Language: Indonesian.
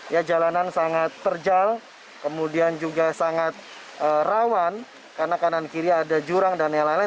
ya jalanan sangat terjal kemudian juga sangat rawan karena kanan kiri ada jurang dan lain lain